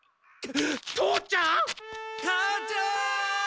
父ちゃん！？母ちゃん！